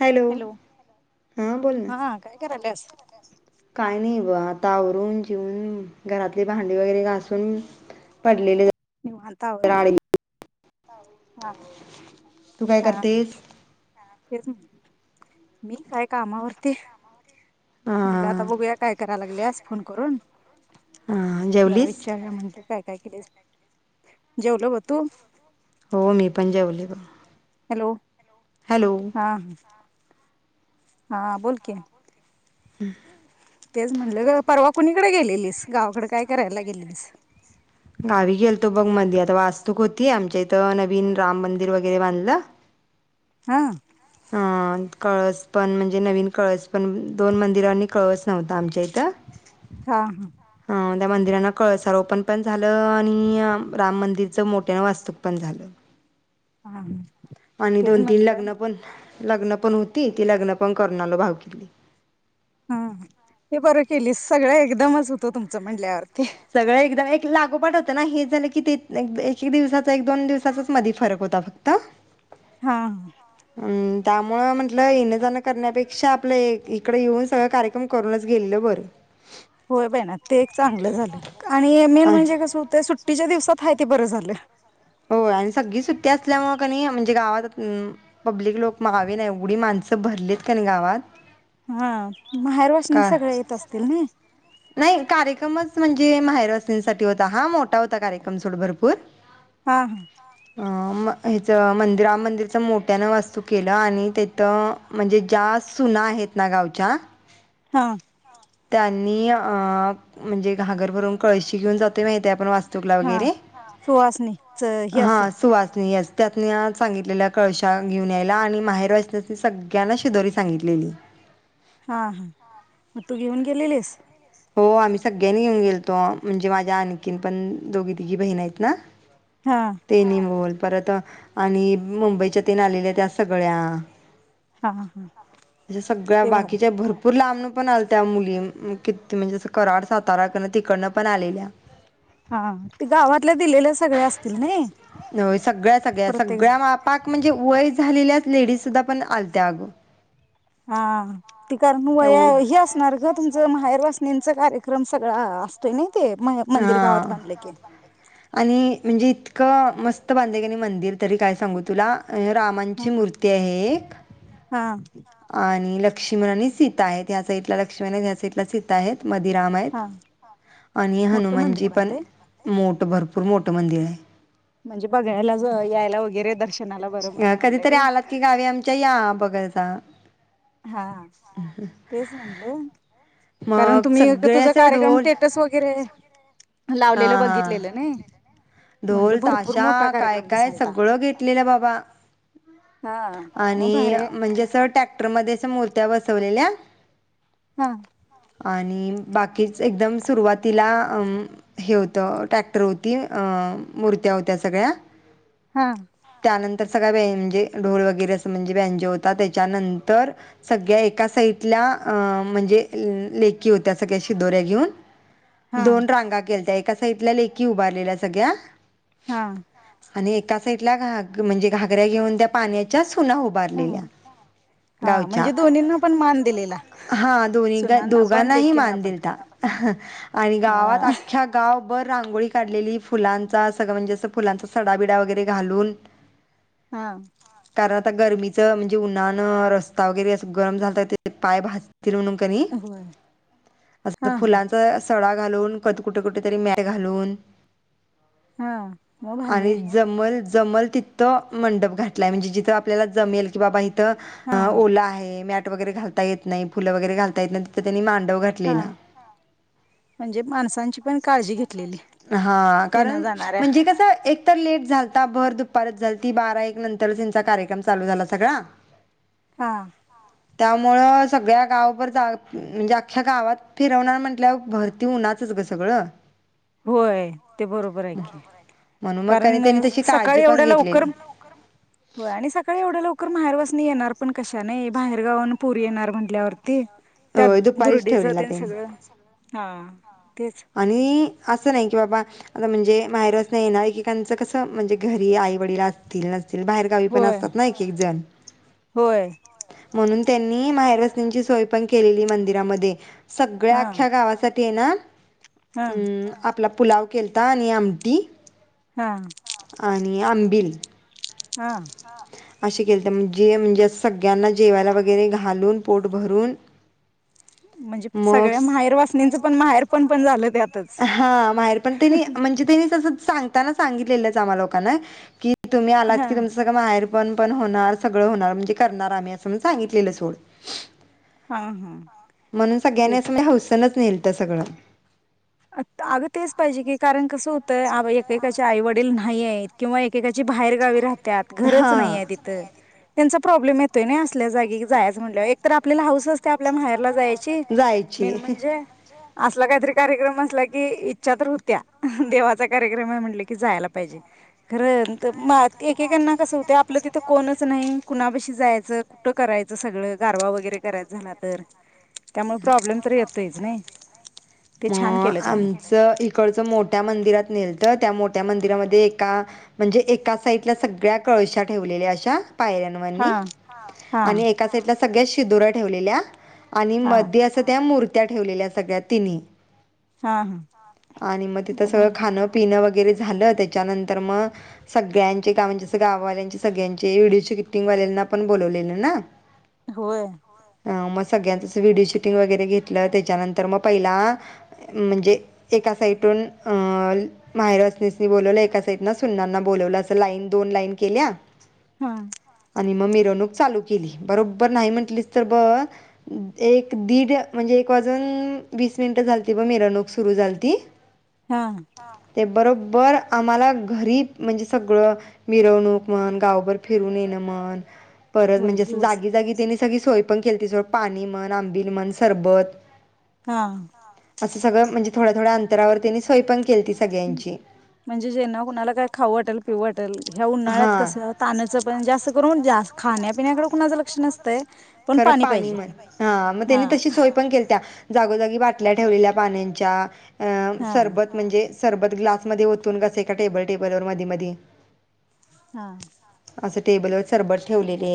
Hello हां बोल ना हा काय करायल्यास काय नही ब आ ता आवरून जेवून घरातली भांडी वगैरे घासून पडलेले निवांत आवर जरा आडवी हां तू काय करतेस? तेच मी हाय कामावरती म्हणलं आता हां बघूया काय कराय लागल्यास फोन करून, हां जरा जेवलीस विचारूया म्हटलं काय काय केलेस जेवलो बघ तू? हो मी पण जेवले बघ हॅलो हॅलो हां हा बोल की [unintelligible] तेच म्हणलं ग परवा कुणी कड गेलेलीस गावकड काय करायला गेलेलीस? गावी गेलतो बघ मधी आता वास्तुक होती आमच्या इथं नवीन राम मंदिर वैगरे बांधल हां हां कळस पण म्हणजे नवीन कळस पण दोन मंदिर आणि कळस नव्हतां आमच्या इथं हां हां त्या मंदिराना काळसारोपन पण झालं आणि राम मंदिरच मोठ्यानं वास्तुक पण झालं हा आणि तेच दोन तीन म्हटलं लग्न पण लग्न पण होती, ती लग्न पण करून आलो भावकीतली हां हे बरं केलीस सगळं एकदमच होतं तुमचं म्हंटल्यावर सगळं एकदा एक लागोपाट होत ना हे झाल की ते लाईक हे दिवसाच एक-दोन दिवसाचच मधी फरक होता फक्त हां अं त्यामुळं म्हटलं येणं जाण करण्यापेक्षा आपलं इकडे येऊन सगळं कार्यक्रम करूनच गेलेल बरं होय बईना ते एक चांगलं झालं आणि मेन अ म्हणजे कसं होतंय सु तिज्या दिवसांत हाय ते बरं झालं हो आणि सगळी सुट्टी असल्यामुळे कनी म्हणजे गावात म् पब्लिक लोक मावेना नाही एवढी माणसं भरलीत कणाय गावात हा माहेरवासनी का सगळ्या येत असतील ना नाही कार्यक्रमच म्हणजे माहेरवासनींसाठी होता हा मोठा होता कार्यक्रम सोड भरपूर हा अ म ह्याचं मंदिर आ मंदिरचं मोठ्यानं वास्तू केलं आणि त्याथं म्हणजे ज्या सुना आहेत ना गावच्या हा त्यांनी अ म्हणजे घागर भरून कळशी घेऊन जातो माहिती आपण वा हा सोहळा स [inaudible] हा सुवासणीय त्यातनी सांगितलेल्या कळशा घेऊन यायला आणि माहेर वाचण्यासनी सगळ्यांना शिदोरी सांगितलेली हा हा मग तू घेऊन गेलेलीस हो आम्ही सगळ्यांनी घेऊन गेलतो म्हणजे माझ्या आणखीन पण दोघी तिघी बहीण आहेत ना हा तेनी बोल परत आणि मुंबईच्या तेन आलेल्या त्या सगळ्या हा हा [inaudible] अ सगळ्या ते बरं बाकीच्या भरपूर लांब पण आलत्या मुली [inaudible] किती म्हणजे असं कराड साताराकडन तिकडनं पण आलेल्या [inaudible] हा ते गावातल्या दिलेल्या सगळ्या असतील ना हो सगळ्या सगळ्या प्रत्येक जण. सगळ्या मापाक म्हणजे वय झालेल्या लेडीज सुद्धा पण आलत्या अगो हा ती कारण वया एवढं हे असणार ग तुमचं माहेरवास् नीच कार्यक्रम सगळां असतोय नई? ते म मंदिर गावात हा बांधल की आणि म्हणजे इतकं मस्त बांधलय की नई मंदिर तरी काय सांगू तुला हा रामांची मूर्ती आहे एक हा आणि लक्ष्मणआणि सीता आहेत ह्या साइटला लक्ष्मण आहेत ह्या साइटला सीता आहेत मधी राम आहेत हा आणि मोठं मंदिर हनुमानजी पण बांधलंय मो भरपूर मोठं मंदिर आहे म्हणजे बघायला जो यायला वगैरे दर्श अ कधीतरी आलात की गावी आमच्या या बघायचा हा‌ तेच म्हंटलं कारण मग तुम्ही एक सगळे तुझा असं कार्यक्रम ढोल टेटस वगैरे हा लावलेल हा बघितलेलं नाही म्हटलं ढोल भरपूर ताशा मोठा काय कार्यक्रम काय दिसालता सगळ घेतलेलं बाबा हा मग आणि भारी आहे म्हणजे असं टॅक्टरमध्येच मुर्त्या बसवलेल्या हा आणि बाकीच एकदम सुरुवातीला अम हे होतं टॅक्टर होती अ मूर्त्या होत्या सगळ्या हा त्यानंतर सगळ्या म्हणजे ढोल वगैरे म्हणजे त्यानंतर त्यानंतर सगळा बॅजे ढोल वगैरे अस म्हणजे बेंजो होता त्याच्यानंतर सगळ्या एका साईटला म्हणजे लेकी होत्या सगळ्या शिदोऱ्या घेऊन हा दोन रांगा केलत्या एक त्या साईटला लेकी उभारलेल्या त ग्या हा आणि एका साइडला घाग म्हणजे घागऱ्या घेऊन त्या पाण्याच्याच पुन्हा हा उभारलेल्या गावच्या हा म्हणजे दोन्हींना पण मान दिलेला हा दोघी सुनांना पण दोघांनाही लेकींना मान पण दिलता हं आणि गावात हा अख्या गाव बर रांगोळी काढलेली फुलांचा सगळं म्हणजे असं फुलांचा सडाबिडा वगैरे घालून हा कारण आता गरमीत ते म्हणजे उन्हानं रस्ता वगैरे अस गरम झालता तर ते पाय भाज होय [unintelligible] असंल हा हा फुलांचा सडा घालून क कुठ कुठ तरी मॅय घालून हा मग भारी आणि आहे जमल जमल तिथं मंडप घातलाय म्हणजे जिथं आपल्याला जमेल कि बाबा इथ हा अ ओल आहे मॅट वगैरे घालता येत नाही फुलं वगैरे घालता येत नाही तिथ त्यांनी मां हा म्हणजे माणसांची पण काळजी घेतलेली हा येण्या कारण जाणाऱ्या म्हणजे कसं एक तर लेट झालता भर दुपारच झालती बारा एक नंतर त्यांचा कार्यक्रम चालू झाला सगळा हा त्यामुळं सगळ्या गावभर जा म्हणजे अख्ख्या गावात फिरवणार म्हंटल्याव भरती उन्हाचंच गं सगळं व्हय ते बरोबर आहे की म्हणून मग का नाही कारण त्यांनी तशी काळजी सकाळी पण एवढ्या घेतलेली. लवकर होय आणि सकाळी एवढ्या लवकर माहेरवास येणार पण कशाने बाहेरगावाणं पोरी येणार म्हटल्यावरती त्यात होय दुपारीच दुर्डीच ठेवलेला ते त्यांनी. सगळं हा तेच आणि अस अस नाही की बाबा आता म्हणजे माहेरवासणी येणार एकेकाची कसं म्हणजे घरी आई वडिल असतील नस बाहेर गावी पण होय असतात ना एक एकजण होय म्हणून त्यांनी माहेरवसनिंची सोय पण केलेली मंदिरामध्ये सगळ्या हा आख्ख्या गावासाठी ते ना हा हम् आपला पुलाव केलता आणि आमटी हा आणि आम बील हा अशिक जे म्हणजे [inaudible] यांना जेवायला वगैरे घालून पोट भरून म्हणजे सगळ्या मग माहेर वासनींचं पण माहेरपण पण झालं त्यात हा माहेर पण त्यांनी म्हणजे त्यांनी तसच सांगताना सांगितलेलं च आम्हा लोकांना की तुम्ही आलात हा की तुमच सगळ माहेर पण पण होणार सगळ होणार म्हणजे करणार आम्ही असं सांगितलेलं सोड हा हा म्हणून सगळ्यानी तेच तुम्ही हौसनच नेलत सगळं आता अगं तेच पाहिजे की कारण कसं होतंय एकेकाच्या आईवडी दिल नाहीयेत किंवा एकेकाच्या बाहेरगावी राहत त्यात घरच नाहीय आई-वडीलच तिथ त्यांच प्राॅब्लेम येतोय ना या असल्या जागी जायाच म्हटल्यावर एकतर आपल्याला हौस त्या आपल्या माहेरला जायची मेन जायची. म्हणजे असला काहीतरी कार्यक्रम कार्यक्रम असला की इच्छा तर होतीया देवाचा कार्यक्रम म्हटल की ज्याला पाहिजे खरतर एकेकांना कस होतय आपल तिथ कोणच नाही कुणाबशी जायाच कुठ करायच सगळ गारवा वैगरे करायचा झाला तर त्यामुळे प्रॉब्लेम तर येतोयच नाही ते छान केलं [unintelligible] त्यांनी आमचं इकडचं मोठ्या मंदिरात नेल तर त्या मोठ्या मंदिरामध्ये एका म्हणजे एका साइडला सगळ्या कळश्या ठेवलेल्या अशा [inaudible] हां हा आणि एका साइटला सगळ्या दुर्या ठेवलेल्या हा [inaudible] अस त्या मुर त्या ठेवलेल्या सगळ्या तिनी हा हा आणि मग तिथं सगळं खाणं पिणं वगर घरी झालं त्याच्या नंतर मग सगळ्यांचे म्हणजे गावल्यांचे सगळ्यांचे व्हिडिओ शूटिंग वाल्यांना पण बोलवले ना होय ह मग सगळ्यांचच व्हिडिओ शूटिंग वगैरे घेतलं त्याच्यानंतर मग पहिला म्हणजे आ एका साईटून माहेरवासणीनी बोलवलं एका साईटला सुन्नांना बोलवलं असं लाईन दोन लाईन केल्या हा आणि मग मिरवणूक चालू केली बरोबर नाही म्हटलीस तर बघ एक दीड म्हणजे एक वाजून वीस मिनिटं झालती बघ मिरवणूक सुरू झालती हा ते बरोबर आम्हाला घरी म्हणजे सगळं मिरवणूक म्हण गावभर फिरून येणं म्हण परत होय म्हणजे अस दिवस जागी जागी त्यांनी सगळी सोय पण केलती जवळ पाणी म्हण आंबिल म्हण सरबत हा असं सगळं म्हणजे थोड्या थोड्या अंतरावर त्यांनी सोय पण केलती ह सगळ्यांची. म्हणजे जेणा कुणाला काय खाऊं वाटलं पिऊ वाटलं ह्या हा. उन्हाळ्यात कसं [unintelligible] पण जास्त करून जास्त खाण्या पिण्याकडे कुणाचं लक्ष नस खरं पाणी म हा मग हा त्यांनी तशी सोय पण केलत्या जागोजागी बाटल्या ठेवलेल्या पाण्यांच्या अ म हा सरबत म्हणजे सरबत ग्लास मध्ये ओतून कस एका टेबल टेबल वर मधी मधी हा असं टेबलवर सरबत ठेवलेले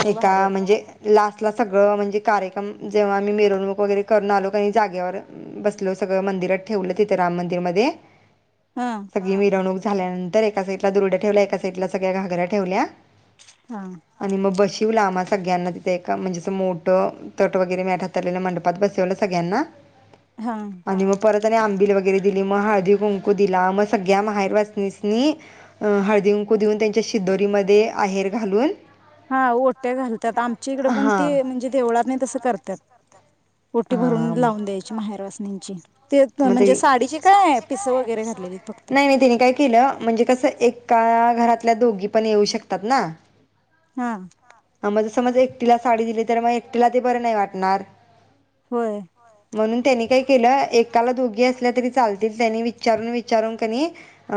मग एका भारी म्हणजे लास्ट ला सगळं म्हणजे कार्यक्रम जेव्हा आम्ही मिरवणूक वगैरे करून आलो कणी जागेवर बसलो सगळं मंदिरात ठेवलं तिथे राम मंदिरमध्ये हाय सगळी मिरवणूक झा झाल्यानंतर एका साईडला दुरोड्या ठेवल्या सगळ्या एका साईटला घागऱ्या ठेवल्या हा हा [inaudible] आणि मग बस [unintelligible] सगळ्यांना तिथे एक म्हणजे मोठं तट वगैरे मॅट मंडपात बसवलं सगळ्यांना हा आणि मग परत आणि आंबिल वगै [unintelligible] दिली हळदी कुंकू दिला मग सगळ्या माहेरवासणीसणी आ हळदी [unintelligible] देऊन त्यांच्या शिद्दोरीमध्ये ते आहेर घालून हा ओट्या घालतात आमच्याकडे पण हां ते म्हणजे देवळातनी तसं करत्यात ओटी भरून हां लावून द्यायची माहेरवासणी तिची मग ते वगैरे घातलेली फक्त नाही नाही त्याने काय केलं म्हणजे कस एक का घरातल्या दोघी पण येऊ शकतात ना हा मज समज एकटीला साडी दिली तर मग एकटीला ते बर नाही वाटणार होय म्हणून त्यांनी काय केलं एक एकाला दोघी असल्या तरी चालतील त्यांनी विचारून विचारून कनी अ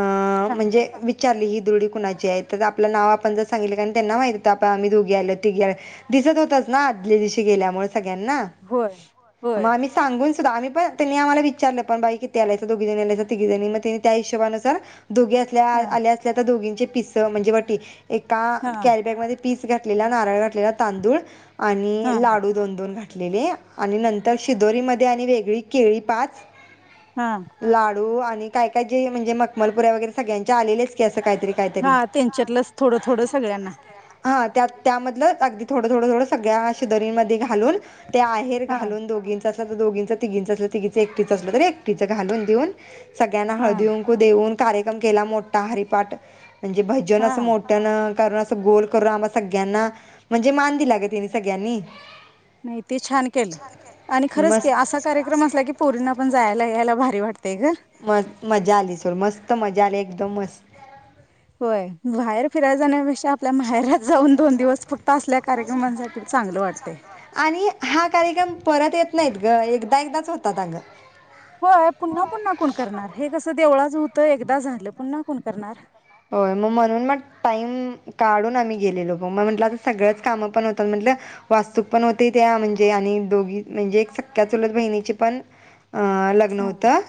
हा म्हणजे विचारली ही दुरडी कुणाची आहे तर आपलं नाव आपण जर सांगितलं त्यांना माहित होण आम्ही दोघी आल तेघी आल दिसत होतच ना आदल्या दिवशी गेल्यामुळे सगळ्यांना होय, मग होय. आम्ही सांगून आम्ही पण त्यांनी आम्हाला विचारलं पण बाई किती आलाय तर दोघीजणी नाय तर तीघीजणी मग तिनी त्या हिशोबानुसार दोघी असल्या हां, आल्या असल्या तर दोघींचे पिसं म्हणजे वटी एका हां, कॅरी बॅगमध्ये पीस घातलेला नारळ घातलेला तांदूळ आणि हां, लाडू दोन दोन घाल घेतलेले नंतर शिदोरी मध्ये आणि वेगळी केळी पाच हां, लाडू वाढ काय का जे म्हणजे मकमलपुऱ्या वगैरे सगळ्यांच्या आलेलेच कि आज हा त्यांच्यातलंच थोडं थोडं सगळ्यांना हा त्या त्यामधलं अगदी थोडं थोडं थोडं थोडं सगळ्या शिदोरीमध्ये घाल हालून आहेर हां, घालून दोघींचा आता दोघींचा तिघींचा असला तिघींचा एकटिच असलं तर एकटिच घालून देऊन सगळ्यांना हां, हळदी कुंकू देऊन कार्यक्रम केला मोठा हरिपाठ म्हणजे भजन असं हां. मोठ्यानं कारण अस गोल करून आम्हा सगळ्यांना म्हणजे मान दिला गं त्यांनी सगळ्यांनी ते छान केलं आणि खरंच की मस्त असा कार्यक्रम असला की पोरींना पण जायला ह्याला भारी वाटतय मग मजा आली सोड मस्त मजा आली एकदम मस्त होय बाहेर फेरायाला जाण्यापेक्षा आपल्या माहेरात जाऊन दोन दिवस फक्त असल्या कार्यक्रमांसाठी चांगलं वाटतंय. आणि हा कार्यक्रम परत येत नाहीत ग एकदा एकदाच होतात अगं होय पुन्हा पुन्हा कोण करणार हे कसं देवळाच होतं एकदा झालं पुन्हा कोण करणार होय म म्हणून मग टाईम काडून आम्ही गेलेलो मग म्हटलं आता सगळच कामं पण होतात म्हटलं वास्तूक पण होतो त्या म्हणजे आणि दोघी म्हणजे एक सख्या चुलत बहीणीची पण अ लग्न हां, होतं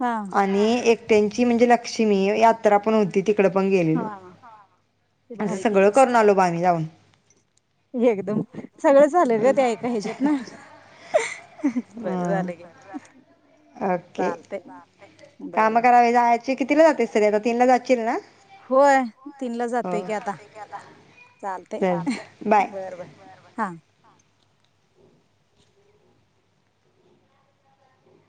हां, आणि एकट्यांची म्हणजे लक्ष्मी यात तर आपण उद्योदिक हा ते असं भारी सगळं केलीस करून आलो बा आम्ही जाऊन एकदम सगळं झालं ग त्या ऐका हेज्यातन बर झालं गे अ, ओके चालतंय बर बर तिला जातेस सगळ्या तीन ला जाचील ना होय तीनला हो जातोय की आता चालतय चल बाय बर बर हा